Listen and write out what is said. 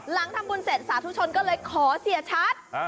หลังทำบุญเสร็จสาธุชนก็เลยขอเสียชัด